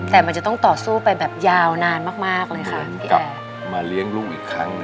แต่มันจะต้องต่อสู้ไปแบบยาวนานมากเลยค่ะพี่แอร์